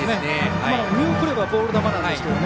今、見送ればボール球なんですけどね。